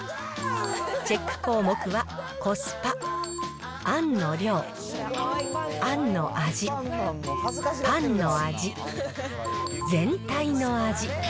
チェック項目はコスパ、あんの量、あんの味、パンの味、全体の味。